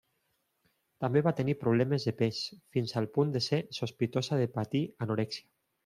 També va tenir problemes de pes fins al punt de ser sospitosa de patir anorèxia.